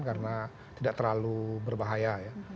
karena tidak terlalu berbahaya